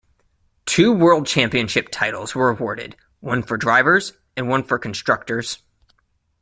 Two World Championship titles were awarded, one for Drivers and one for Constructors.